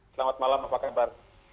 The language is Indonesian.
selamat malam apa kabar